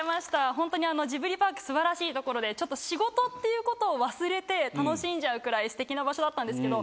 ホントにジブリパーク素晴らしい所でちょっと仕事っていうことを忘れて楽しんじゃうくらいステキな場所だったんですけど。